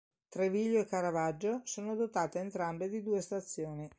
Treviglio e Caravaggio sono dotate entrambe di due stazioni.